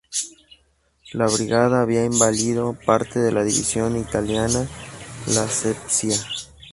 La brigada había invadido parte de la división italiana La Spezia.